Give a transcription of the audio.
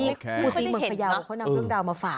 ที่ภูศิเมืองพะเยาว์เขานำเรื่องราวมาฝาก